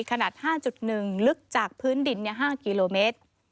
ขนาด๕๑ลึกจากพื้นดิน๕กิโลเมตร